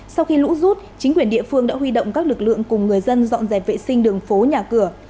sau khi lũ rút chính quyền địa phương đã huy động các lực lượng cùng người dân dọn dẹp vệ sinh đường phố nhà cửa